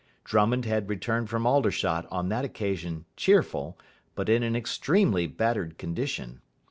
Drummond had returned from Aldershot on that occasion cheerful, but in an extremely battered condition.